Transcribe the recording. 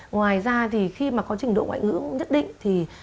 ngoài ra khi có trình độ ngoại ngữ nhất định